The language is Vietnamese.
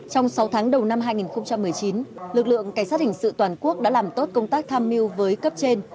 trong sáu tháng đầu năm hai nghìn một mươi chín lực lượng cảnh sát hình sự toàn quốc đã làm tốt công tác tham mưu với cấp trên